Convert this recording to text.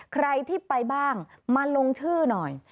ใครที่ไปบ้างมาลงชื่อหน่อย